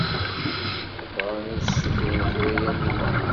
Bɣan ad as-ssutren kra i Yamina.